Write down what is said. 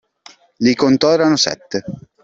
Li contò: erano sette.